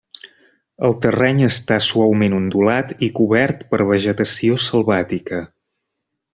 El terreny està suaument ondulat i cobert per vegetació selvàtica.